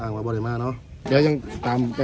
อันดับสุดท้ายก็คืออันดับสุดท้าย